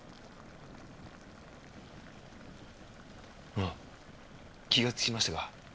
あっ気がつきましたか？